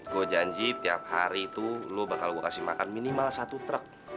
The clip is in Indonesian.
gue janji tiap hari itu lo bakal gue kasih makan minimal satu truk